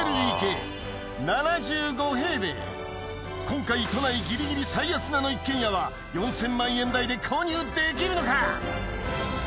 今回都内ギリギリ最安値の一軒家は４０００万円台で購入できるのか？